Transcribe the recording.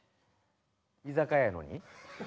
居酒屋やのに？